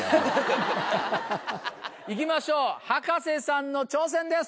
行きましょう葉加瀬さんの挑戦です。